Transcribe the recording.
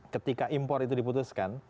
ketika impor itu diputuskan